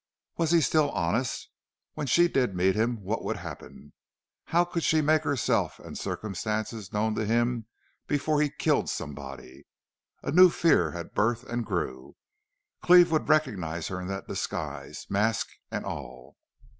Was he still honest? When she did meet him what would happen? How could she make herself and circumstances known to him before he killed somebody? A new fear had birth and grew Cleve would recognize her in that disguise, mask and all.